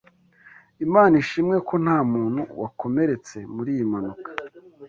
Imana ishimwe ko ntamuntu wakomeretse muriyi mpanuka.